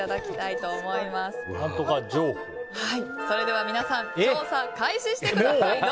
それでは皆さん調査開始してください。